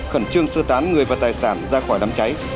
khẩn trương sơ tán người và tài sản ra khỏi đám cháy